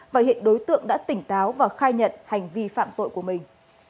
và hiện đối tượng đã tỉnh táo và khai nhận hành vi phạm tội của mình